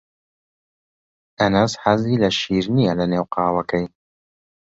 ئەنەس حەزی لە شیر نییە لەنێو قاوەکەی.